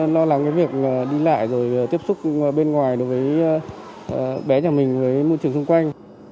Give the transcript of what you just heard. lo lắng cái việc đi lại rồi tiếp xúc bên ngoài đối với bé nhà mình với môi trường xung quanh